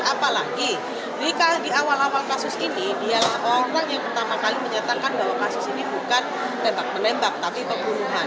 apalagi jika di awal awal kasus ini dia orang yang pertama kali menyatakan bahwa kasus ini bukan tembak menembak tapi pembunuhan